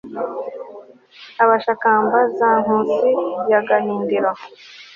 abashakamba za nkusi ya gahindiro